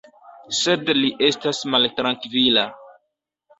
Sed li estas maltrankvila.